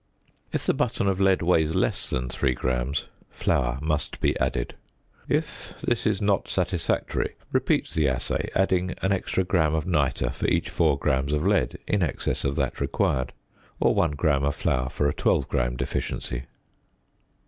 If the button of lead weighs less than 3 grams flour must be added. If this is not satisfactory repeat the assay, adding an extra gram of nitre for each 4 grams of lead in excess of that required, or 1 gram of flour for a 12 gram deficiency.